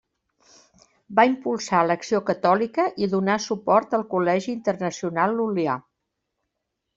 Va impulsar l'Acció Catòlica i donà suport al Col·legi Internacional Lul·lià.